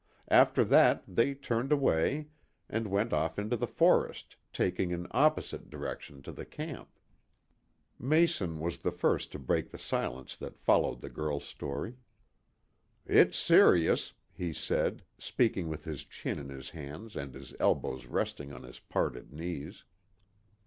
After that they turned away and went off into the forest, taking an opposite direction to the camp." Mason was the first to break the silence that followed the girl's story. "It's serious," he said, speaking with his chin in his hands and his elbows resting on his parted knees.